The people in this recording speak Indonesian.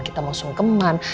kita mau sungkeman